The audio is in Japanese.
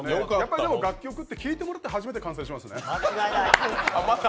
でも楽曲って、聴いてもらって初めて成立しますね。